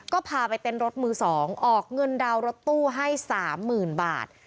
ก็พาไปเต้นรถมือสองออกเงินดาวรถตู้ให้สามหมื่นบาท